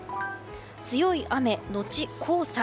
強い雨のち黄砂。